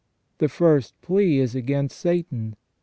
The first plea is against Satan.